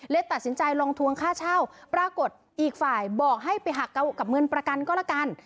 ตัดสินใจลองทวงค่าเช่าปรากฏอีกฝ่ายบอกให้ไปหักกับเงินประกันก็ละกัน